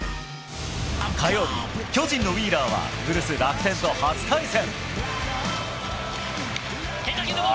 火曜日、巨人のウィーラーは古巣・楽天と初対戦。